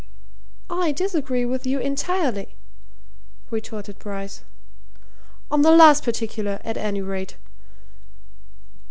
"I disagree with you entirely," retorted Bryce. "On the last particular, at any rate.